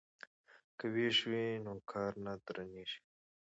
که ویش وي نو کار نه درندیږي.